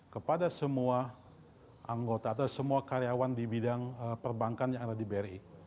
kepada semua anggota atau semua karyawan di bidang perbankan yang ada di bri